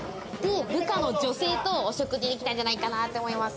部下の女性とお食事に来たんじゃないかなって思います。